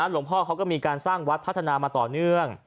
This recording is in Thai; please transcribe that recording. หลวงพ่อเขาก็มีการสร้างวัดพัฒนามาต่อเนื่อง